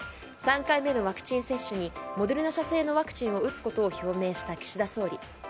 ３回目のワクチン接種にモデルナ社製のワクチンを打つことを表明した岸田総理。